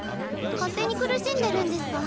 勝手に苦しんでるんデスカ？